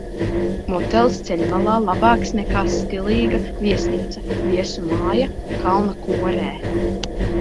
Motelis ceļmalā labāks nekā stilīga viesnīca, viesu māja kalna korē.